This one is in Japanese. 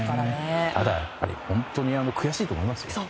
ただ、本当に悔しいと思います。